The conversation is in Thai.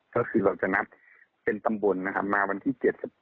ก็คือจากนัดเป็นตำบลมาวันที่๗๘